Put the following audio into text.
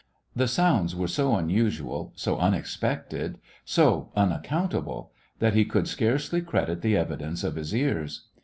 The sounds were so unusual, so unexpected, so unaccountable, that he could scarcely credit the evidence of his ears.